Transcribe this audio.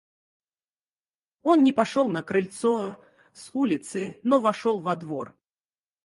Он не пошел на крыльцо с улицы, но вошел во двор.